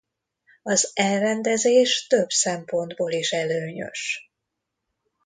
Az elrendezés több szempontból is előnyös.